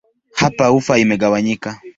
Hapa ufa imegawanyika.